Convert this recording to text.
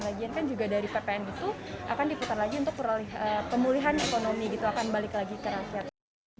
lagian kan juga dari ppn itu akan diputar lagi untuk pemulihan ekonomi gitu akan balik lagi ke rakyat